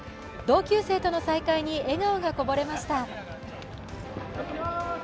同級生との再会に笑顔がこぼれました。